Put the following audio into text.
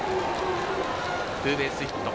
ツーベースヒット。